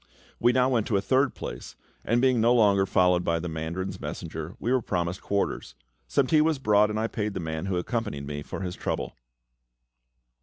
We now went to a third place, and being no longer followed by the mandarin's messenger, we were promised quarters; some tea was brought, and I paid the man who had accompanied me for his trouble.